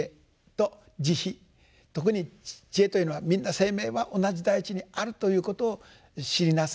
特に智慧というのはみんな生命は同じ大地にあるということを知りなさい。